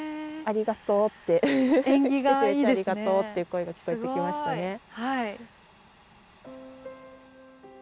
ありがとうって来てくれてありがとうっていう声が聞こえてきましたね。